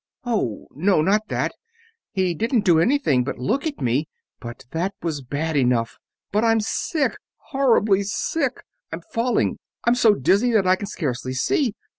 "Oh, no, not that he didn't do anything but look at me but that was bad enough but I'm sick horribly sick. I'm falling ... I'm so dizzy that I can scarcely see